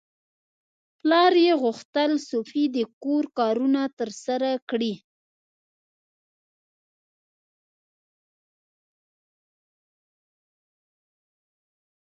پلار یې غوښتل سوفي د کور کارونه ترسره کړي.